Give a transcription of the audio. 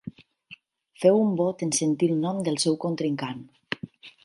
Feu un bot en sentir el nom del seu contrincant.